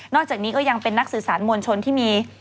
จากนี้ก็ยังเป็นนักสื่อสารมวลชนที่มี